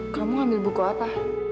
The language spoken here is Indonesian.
kamu ngambil buku apa